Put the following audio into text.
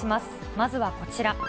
まずはこちら。